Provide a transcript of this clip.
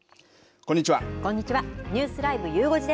こんにちは。